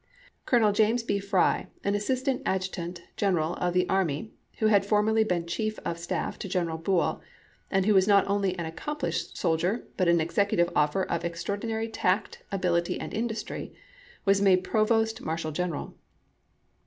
Colonel James B. Fry, an assistant adjutant general of the army, who had formerly been chief of stafE to General Buell, and who was not only an accomplished soldier but an executive officer of extraordinary tact, ability, and industry, was made provost marshal general.